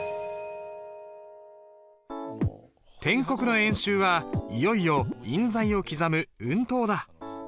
篆刻の演習はいよいよ印材を刻む運刀だ。